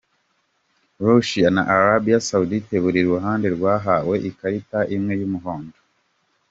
Russia na Arabia Saudite buri ruhande rwahawe ikarita imwe y’umuhondo.